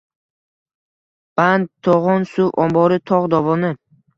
Band – to‘g‘on, suv ombori; tog‘ dovoni.